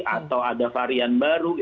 atau ada varian baru